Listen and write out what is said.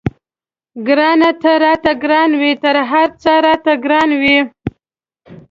ګرانه ته راته ګران وې تر هر څه راته ګران وې.